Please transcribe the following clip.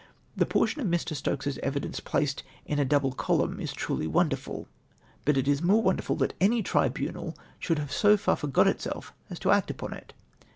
The portion of Mr, Stokes's evidence placed in a double cohimn is truly wonderful ; but it is more wonderful that any tribunal shoiUd have so far forgot itself as to act upon it.